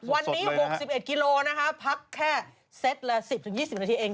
วันนี้๖๑กิโลนะคะพักแค่เซตละ๑๐๒๐นาทีเอง